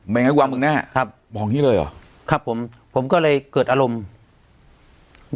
อย่างนั้นกว่ามึงแน่ครับบอกอย่างงี้เลยเหรอครับผมผมก็เลยเกิดอารมณ์